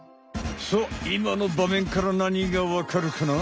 さあいまのばめんから何がわかるかな？